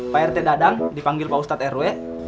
pak rt dadang dipanggil pak ustadz rw